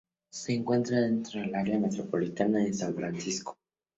Se encuentra dentro del área metropolitana de San Francisco.